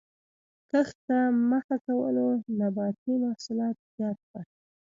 کښت ته مخه کولو نباتي محصولات زیات کړل